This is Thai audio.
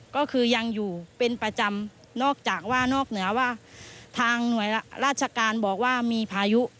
ก็คือยังอยู่เป็นประจำนอกจากว่านอกเหนือว่าทางหน่วยราชการบอกว่ามีพายุ